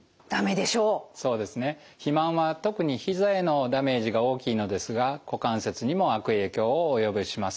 肥満は特にひざへのダメージが大きいのですが股関節にも悪影響を及ぼします。